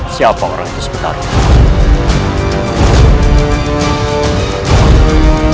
siapa orang itu sebetulnya